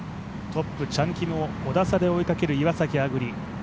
トップ、チャン・キムを５打差で追いかける岩崎亜久竜。